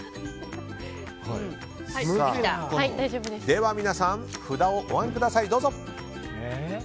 では皆さん札をお上げください。